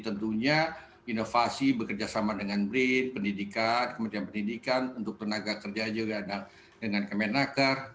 tentunya inovasi bekerjasama dengan brin pendidikan kementerian pendidikan untuk tenaga kerja juga dengan kemenaker